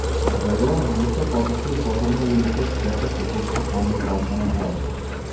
Навлегувам во уште потесна и потемна улица, сета со дупки полни валкана вода.